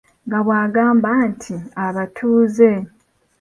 Nga bw'agamba nti ,abatuuze!